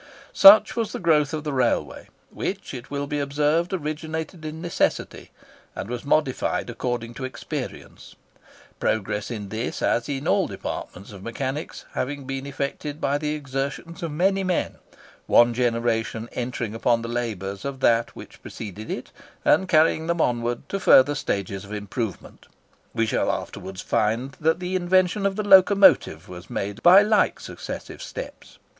Such was the growth of the railway, which, it will be observed, originated in necessity, and was modified according to experience; progress in this, as in all departments of mechanics, having been effected by the exertions of many men, one generation entering upon the labours of that which preceded it, and carrying them onward to further stages of improvement. We shall afterwards find that the invention of the locomotive was made by like successive steps.